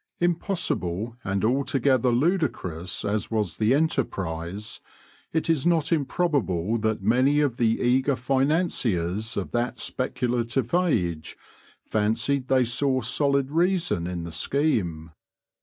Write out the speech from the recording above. Impossible and altogether ludicrous as was the enterprise, it is not improbable that many of the eager financiers of that speculative age fancied they saw solid reason in the scheme.